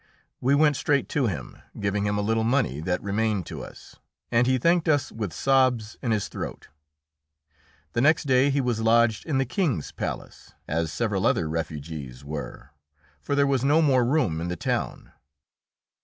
We went straight to him, giving him a little money that remained to us, and he thanked us with sobs in his throat. The next day he was lodged in the King's palace, as several other refugees were, for there was no more room in the town.